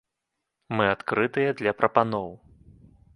Мы адкрытыя для прапаноў.